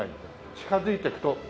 近づいていくとさあ。